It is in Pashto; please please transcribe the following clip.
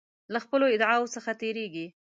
له خپلو ادعاوو څخه تیریږي.